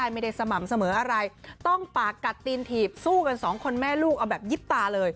มีกันแบบนี้